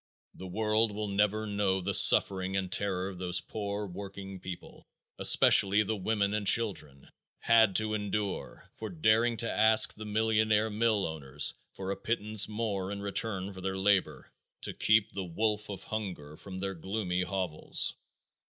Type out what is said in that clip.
The world will never know the suffering and terror these poor working people especially the women and children had to endure for daring to ask the millionaire mill owners for a pittance more in return for their labor to keep the wolf of hunger from their gloomy hovels.